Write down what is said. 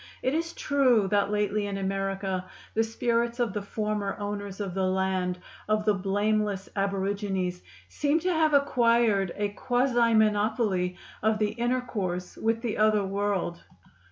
It is true that lately, in America, the spirits of the former owners of the land, of the blameless aborigines, seem to have acquired a quasi monopoly of the intercourse with the other world.